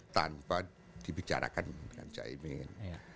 tanpa dibicarakan dengan jai iman